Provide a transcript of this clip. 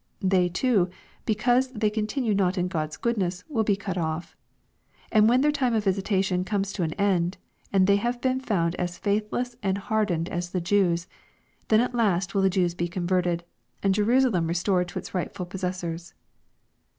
They too, because they continue not in God's goodness, will be cut off. — ^And when their time of visitation comes to an end, and they have been found as faithless and hardened as the Jews, then at last will the Jews be converted, and Jerusalem restored to its rightfiil posses sors.